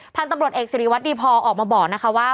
พันธุ์ตำรวจเอกสิริวัตรดีพอออกมาบอกนะคะว่า